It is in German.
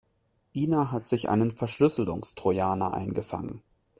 Ina hat sich einen Verschlüsselungstrojaner eingefangen.